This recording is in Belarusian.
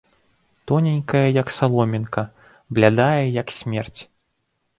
Тоненькая, як саломінка, блядая, як смерць!